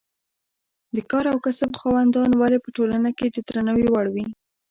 د کار او کسب خاوندان ولې په ټولنه کې د درناوي وړ وي.